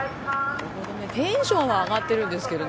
テンションは上がってるんですけどね